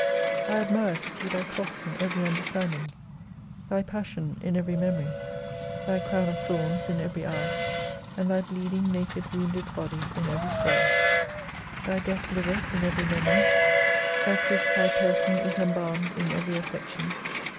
I admire to see Thy cross in every understanding/ Thy passion in every memoi7 Thy crown of thorns in every eye, and Thy bleeding naked wounded body in every soul. Thy death liveth in every memory, Thy crucified person is embalmed in every affection.